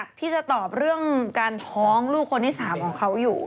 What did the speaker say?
ที่จะตอบเรื่องการท้องลูกคนที่๓ของเขาอยู่